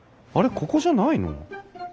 ここじゃないの？